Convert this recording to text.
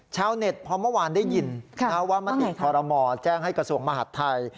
ชาวเน็ตพอเมื่อวานได้ยินว่ามติคอรมอแจ้งให้กระทรวงมหาดไทย